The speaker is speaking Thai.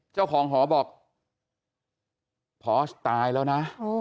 เจ้าของหอบอกพอสตายแล้วนะ